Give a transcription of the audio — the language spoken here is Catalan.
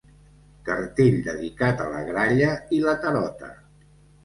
Cartell dedicat a la gralla i la tarota.